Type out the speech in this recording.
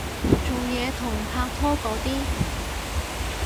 做嘢同拍拖嗰啲